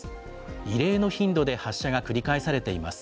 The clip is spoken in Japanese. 異例の頻度で発射が繰り返されています。